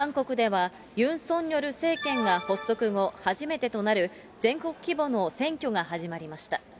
韓国では、ユン・ソンニョル政権が発足後初めてとなる全国規模の選挙が始まりました。